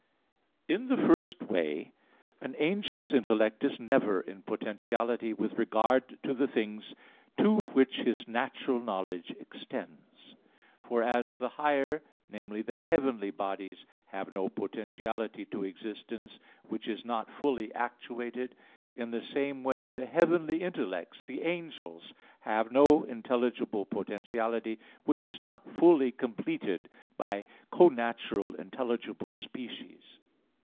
In the first way an angel's intellect is never in potentiality with regard to the things to which his natural knowledge extends. For, as the higher, namely, the heavenly, bodies have no potentiality to existence, which is not fully actuated, in the same way the heavenly intellects, the angels, have no intelligible potentiality which is not fully completed by connatural intelligible species.